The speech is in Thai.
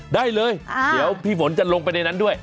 ได้เลยเดี๋ยวพี่ฝนจะลงไปในนั้นด้วย